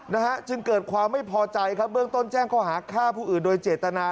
นะฮะจึงเกิดความไม่พอใจครับเบื้องต้นแจ้งเขาหาฆ่าผู้อื่นโดยเจตนา